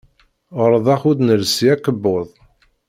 Ɣelḍeɣ ur d-nelsi akebbuḍ.